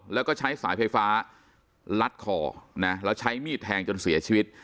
แล้วก็ใช้สายไฟฟ้าลัดคอนะแล้วใช้มีดแทงจนเสียชีวิต